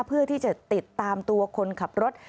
เพื่อที่จะติดตามตัวคนขับรถ